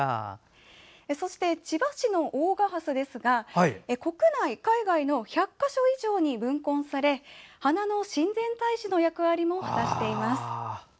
そして、千葉市の大賀ハスですが国内・海外の１００か所以上に分根され花の親善大使の役割も果たしています。